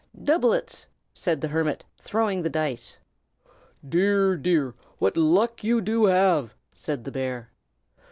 "Doublets!" said the hermit, throwing the dice. "Dear, dear, what luck you do have!" said the bear.